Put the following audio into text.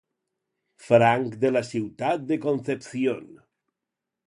Franc de la ciutat de Concepción.